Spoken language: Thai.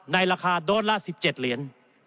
ในราคาโดสละ๑๗เหรียญ